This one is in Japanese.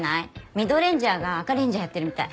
ミドレンジャーがアカレンジャーやってるみたい。